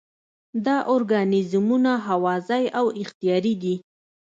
دا ارګانیزمونه هوازی او اختیاري دي.